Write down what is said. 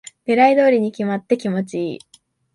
狙い通りに決まって気持ちいい